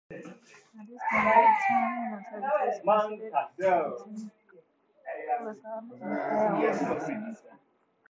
At that point, the Italian authorities considered putting Lozano on trial "in absentia".